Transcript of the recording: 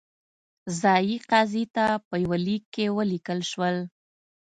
ځايي قاضي ته په یوه لیک کې ولیکل شول.